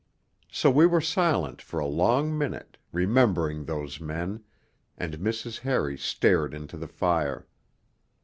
So we were silent for a long minute, remembering those men, and Mrs. Harry stared into the fire.